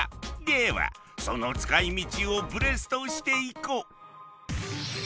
ではその使いみちをブレストしていこう。